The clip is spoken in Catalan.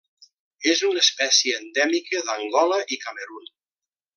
És una espècie endèmica d'Angola i Camerun.